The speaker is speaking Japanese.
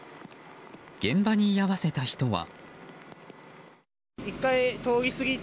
現場に居合わせた人は。